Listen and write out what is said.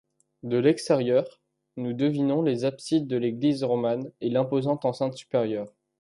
De l'extérieur nous devinons les absides de l'église romane et l'imposante enceinte supérieur.